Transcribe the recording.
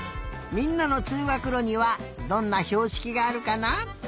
みんなのつうがくろにはどんなひょうしきがあるかな？